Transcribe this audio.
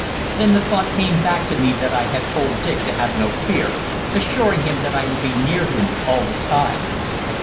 Then the thought came back to me that I had told Dick to have no fear, assuring him that I would be near him all the time.